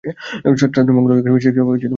ছাত্রদের মঙ্গলের জন্য সে অনেক কিছুই করেছে।